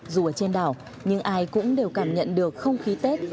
dù ở trên đảo nhưng ai cũng đều cảm nhận được không khí tết